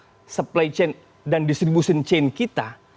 di dalam supply chain dan distribution chain kita